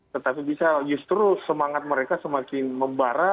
tetapi bisa justru semangat mereka semakin membara